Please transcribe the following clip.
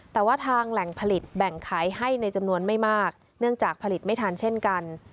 แต่ว่าทางแหล่งผลิตแบ่งขายให้ในจำนวนไม่มากเนื่องจากผลิตไม่ทันเช่นกัน